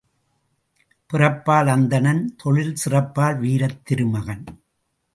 பிறப்பால் அந்தணன் தொழில் சிறப்பால் வீரத் திருமகன்.